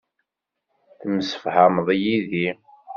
Temsefhameḍ yid-i.